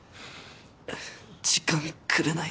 時間くれない？